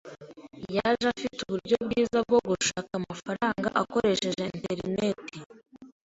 Yaje afite uburyo bwiza bwo gushaka amafaranga akoresheje interineti.